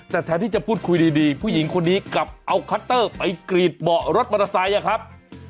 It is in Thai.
แต่แทนที่จะพูดคุยดีผู้หญิงคนนี้กลับเอาคัตเตอร์ไปกรีดเบาะรถมอเตอร์ไซค์ครับ